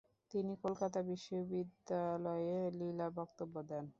তিনি কলকাতা বিশ্ববিদ্যালয়ে লীলা বক্তব্য দেন।